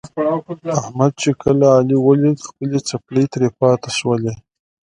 احمد چې کله علي ولید خپلې څپلۍ ترې پاتې شولې.